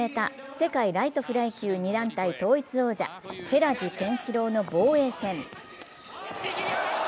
世界ライトフライ級２団体統一王者寺地拳四朗の防衛戦。